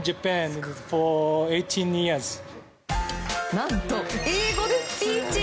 何と英語でスピーチ。